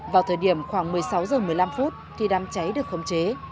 vào thời điểm khoảng một mươi sáu h một mươi năm phút khi đám cháy được khống chế